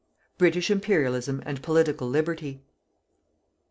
BRITISH IMPERIALISM AND POLITICAL LIBERTY.